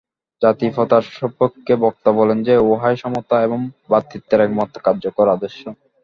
জাতিপ্রথার সপক্ষে বক্তা বলেন যে, উহাই সমতা এবং ভ্রাতৃত্বের একমাত্র কার্যকর আদর্শ।